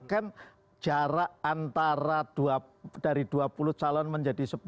kan jarak antara dari dua puluh calon menjadi sepuluh